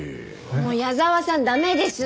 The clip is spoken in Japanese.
もう矢沢さん駄目ですって。